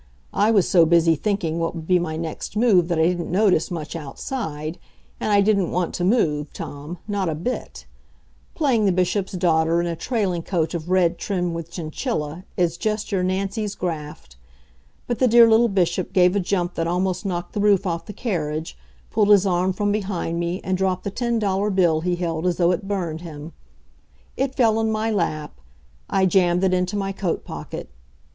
I was so busy thinking what would be my next move that I didn't notice much outside and I didn't want to move, Tom, not a bit. Playing the Bishop's daughter in a trailing coat of red, trimmed with chinchilla, is just your Nancy's graft. But the dear little Bishop gave a jump that almost knocked the roof off the carriage, pulled his arm from behind me and dropped the ten dollar bill he held as though it burned him. It fell in my lap. I jammed it into my coat pocket.